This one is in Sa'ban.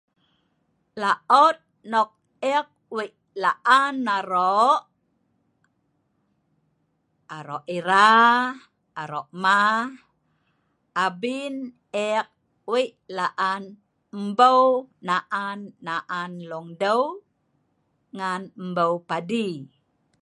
Laot nok ek wik laan arok, arok era, arok hmah, abin ek wik laan embeu naan naan long deu ngan ebeu padi